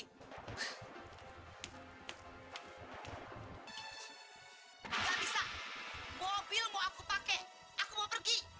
tidak bisa mobil mau aku pakai aku mau pergi